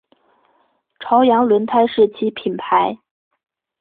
朝阳轮胎是其品牌。